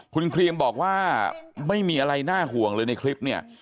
คุณครีมบอกว่าไม่มีอะไรน่าห่วงเลยในคลิปเนี่ย